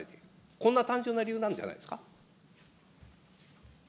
こんな単純な理由なんじゃないですか。